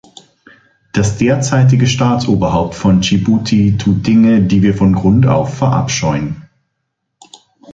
Das derzeitige Staatsoberhaupt von Dschibuti tut Dinge, die wir von Grund auf verabscheuen.